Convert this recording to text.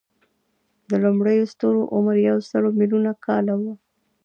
د لومړنیو ستورو عمر یو سل ملیونه کاله و.